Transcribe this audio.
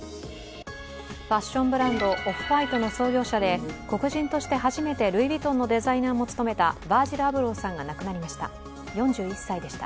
ファッションブランドオフ−ホワイトの創業者で黒人として初めてルイ・ヴィトンのデザイナーも務めたヴァージル・アブローさんが亡くなりました。